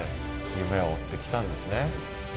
夢を追ってきたんですね。